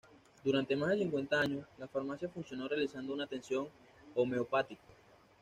Durante más de cincuenta años, la farmacia funcionó realizando una atención homeopática.